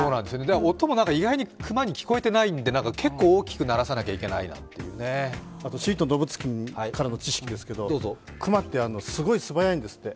音も意外に熊に聞こえてないんで、結構大きく鳴らさないといけないみたいですねシートン動物記からの知識ですけど熊ってすごい素早いんですって。